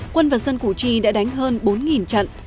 quân vật dân cù chi đã đánh hơn bốn trận